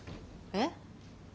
えっ？